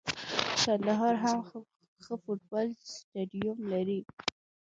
کندهار هم ښه فوټبال سټیډیم لري.